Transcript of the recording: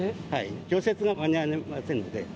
除雪が間に合いませんので。